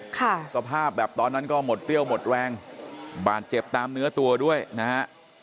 สภาพแบบตอนนั้นก็หมดเปรี้ยวหมดแรงบาดเจ็บตามเนื้อตัวด้วยนะฮะ